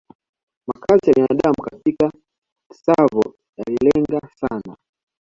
Makazi ya binadamu katika Tsavo yalilenga sana